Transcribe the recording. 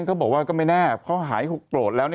เขาบอกว่าก็ไม่แน่เพราะหาย๖โปรดแล้ว